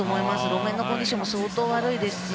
路面のコンディションも相当悪いですし。